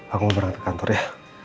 aku berangkat ke kantor ya